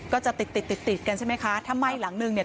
ก็จะติดติดติดติดกันใช่ไหมคะถ้าไหม้หลังนึงเนี่ย